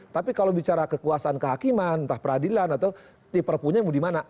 tapi kalau bicara kekuasaan kehakiman entah peradilan atau di perpunya mau dimana